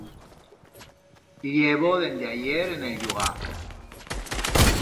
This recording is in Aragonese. Llevo dende ayer en el llugar.